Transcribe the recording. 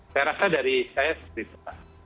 saya rasa dari saya seperti itu